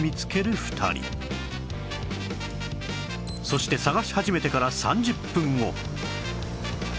そして探し始めてから３０分後